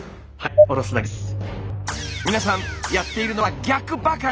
皆さんやっているのは逆ばかり。